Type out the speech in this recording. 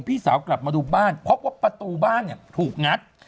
พี่สาวกลับมาดูบ้านเพราะว่าประตูบ้านถูกงัด